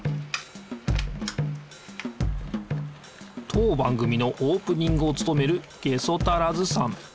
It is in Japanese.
当番組のオープニングをつとめるゲソタラズさん。